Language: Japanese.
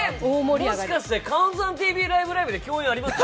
もしかして「ＣＤＴＶライブ！ライブ！」で共演ありますか？